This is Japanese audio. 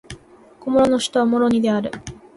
コモロの首都はモロニである